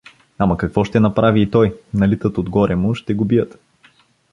Ама какво ще направи и той, налитат отгоре му, ще го бият.